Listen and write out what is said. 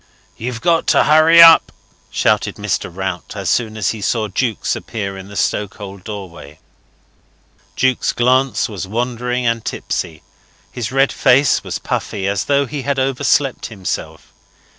"You've got to hurry up," shouted Mr. Rout, as soon as he saw Jukes appear in the stokehold doorway. Jukes' glance was wandering and tipsy; his red face was puffy, as though he had overslept himself.